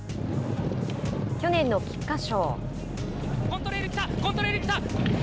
去年の菊花賞。